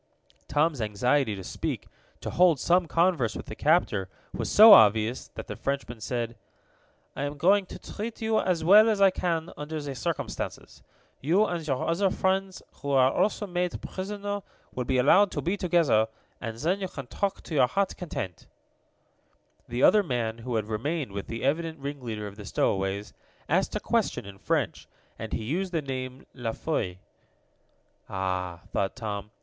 Tom's anxiety to speak, to hold some converse with the captor, was so obvious that the Frenchman said: "I am going to treat you as well as I can under the circumstances. You and your other friends, who are also made prisoners, will be allowed to be together, and then you can talk to your hearts' content." The other man, who had remained with the evident ringleader of the stowaways, asked a question, in French, and he used the name La Foy. "Ah!" thought Tom.